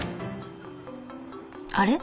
［あれ？